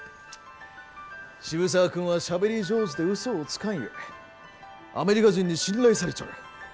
渋沢君はしゃべり上手でうそをつかんゆえアメリカ人に信頼されちょる。